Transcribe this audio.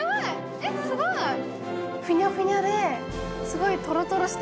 すごい！